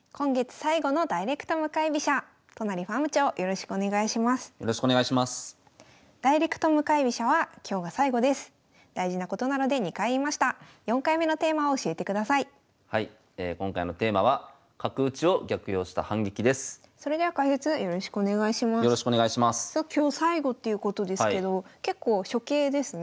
さあ今日最後っていうことですけど結構初形ですね。